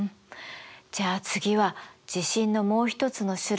じゃあ次は地震のもう一つの種類